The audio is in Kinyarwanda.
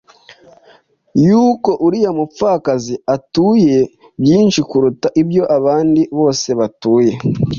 yuko uriya mupfakazi atuye byinshi kuruta ibyo abandi bose batuye.”